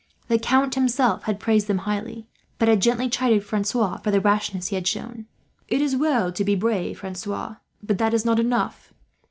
The Count himself had praised them highly, but had gently chided Francois for the rashness he had shown. "It is well to be brave, Francois, but that is not enough.